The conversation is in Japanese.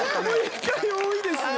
１回多いですね。